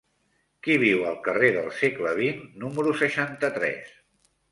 Qui viu al carrer del Segle XX número seixanta-tres?